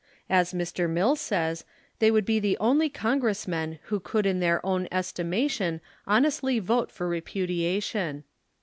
As Mr. Mill says, they would be the only Congressmen who could in their own estimation honestly vote for repu diation.